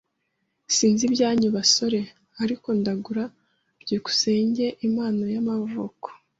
Sinzi ibyanyu basore, ariko ndagura byukusenge impano y'amavuko.